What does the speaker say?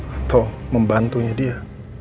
atau membantunya dia